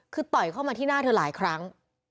คือต่อยเข้ามาที่หน้าเธอหลายครั้ง